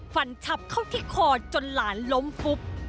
ชับเข้าที่คอจนหลานล้มฟุบ